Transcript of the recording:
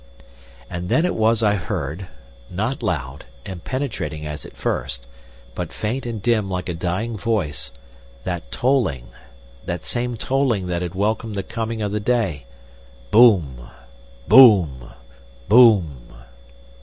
And then it was I heard, not loud and penetrating as at first, but faint and dim like a dying voice, that tolling, that same tolling that had welcomed the coming of the day: Boom!... Boom!... Boom!...